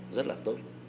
rất là tốt